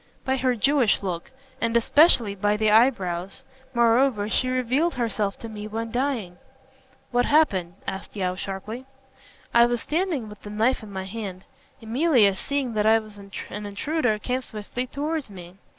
"By her Jewish look, and especially by the eyebrows. Moreover, she revealed herself to me when dying." "What happened?" asked Yeo, sharply. "I was standing with the knife in my hand. Emilia, seeing that I was an intruder, came swiftly towards me.